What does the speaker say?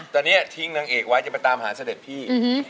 ตอนนี้ทิ้งนางเอกไว้จะไปตามหาเสด็จพี่